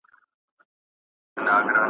او لوستونکو ته پیغام ورکوي .